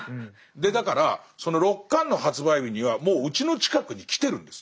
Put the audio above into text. だからその６巻の発売日にはもううちの近くに来てるんです。